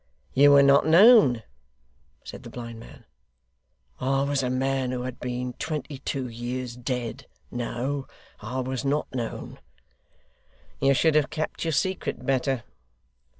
'You were not known?' said the blind man. 'I was a man who had been twenty two years dead. No. I was not known.' 'You should have kept your secret better.